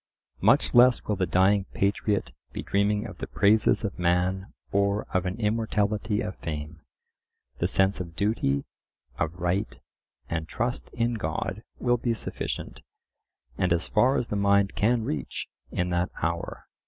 Much less will the dying patriot be dreaming of the praises of man or of an immortality of fame: the sense of duty, of right, and trust in God will be sufficient, and as far as the mind can reach, in that hour.